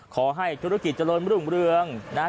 ขอให้ธุรกิจจะล้นรุ่งเรืองนะ